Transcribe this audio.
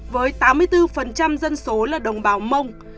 với tám mươi bốn dân số là đồng bào mông